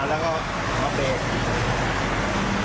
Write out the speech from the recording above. แล้วก็อัพเบรก